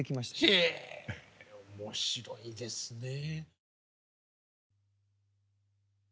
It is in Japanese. へえ面白いですね。